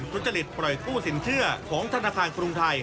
ปล่อยคู่สินเชื่อของธนาคารกรุงไทย